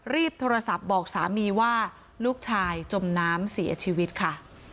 รีบโทรศัพท์บอกสามีว่าลูกชายจมน้ำเสียชีวิตค่ะ